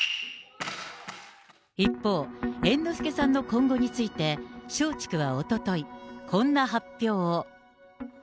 一方、猿之助さんの今後について、松竹はおととい、こんな発表を。